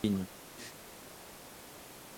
badala ya kuachana kabisa na mambo ya dini